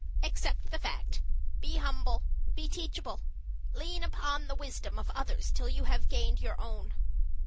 Accept the fact. Be humble be teachable. Lean upon the wisdom of others till you have gained your own."